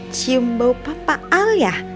cium bau papa al ya